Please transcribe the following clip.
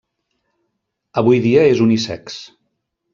Avui dia és unisex.